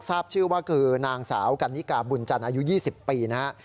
ทราบชื่อว่าคือนางสาวกันนิกาบุญจันทร์อายุ๒๐ปีนะครับ